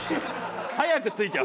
早く着いちゃう。